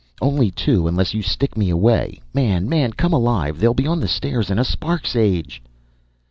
"Only two unless you stick me away. Man, man, come alive, they'll be on the stairs in a spark's age."